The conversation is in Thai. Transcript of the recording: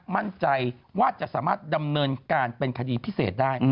มั่นใจว่าจะสามารถดำเนินการเป็นคดีพิเศษได้